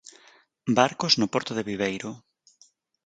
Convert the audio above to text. Barcos no porto de Viveiro.